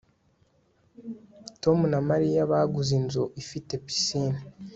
Tom na Mariya baguze inzu ifite pisine